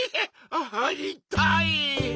ああいたい！